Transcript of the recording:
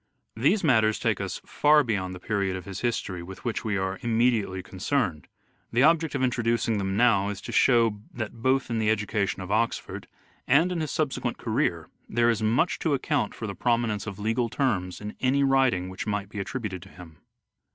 These matters take us far beyond the period of his history with which we are immediately con cerned : the object of introducing them now is to show that both in the education of Oxford, and in his subsequent career, there is much to account for the prominence of legal terms in any writing which might be attributed to him.